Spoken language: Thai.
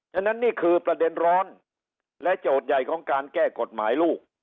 ฉะนั้นนี่คือประเด็นร้อนและโจทย์ใหญ่ของการแก้กฎหมายลูก